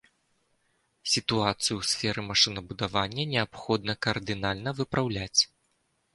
Сітуацыю ў сферы машынабудавання неабходна кардынальна выпраўляць.